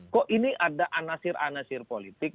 kok ini ada anasir anasir politik